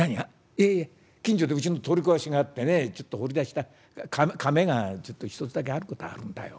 「いやいや近所でうちの取り壊しがあってねちょっと掘り出したかめがちょっと一つだけあることはあるんだよ」。